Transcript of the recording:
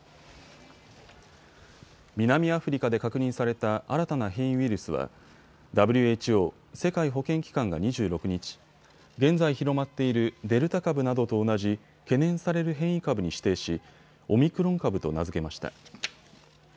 南アフリカで確認された新たな変異ウイルスはＷＨＯ・世界保健機関が２６日、現在広まっているデルタ株などと同じ懸念される変異株に指定し、オミクロン株と名付けました。